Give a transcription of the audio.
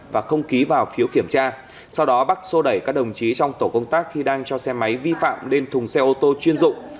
và không ký vào phiếu kiểm tra sau đó bắc xô đẩy các đồng chí trong tổ công tác khi đang cho xe máy vi phạm lên thùng xe ô tô chuyên dụng